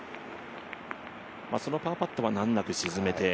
そのパーパットは難なく沈めて。